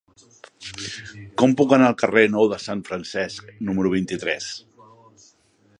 Com puc anar al carrer Nou de Sant Francesc número vint-i-tres?